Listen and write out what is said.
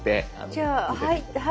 じゃあはいって。